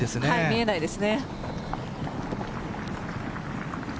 見えないです。